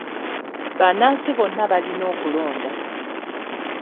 Bannansi bonna balina okulonda.